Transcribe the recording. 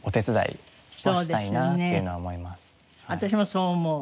私もそう思う。